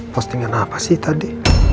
postingan apa sih tadi